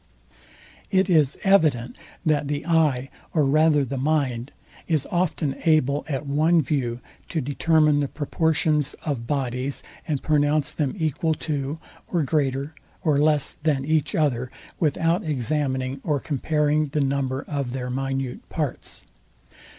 It is evident, that the eye, or rather the mind is often able at one view to determine the proportions of bodies, and pronounce them equal to, or greater or less than each other, without examining or comparing the number of their minute parts.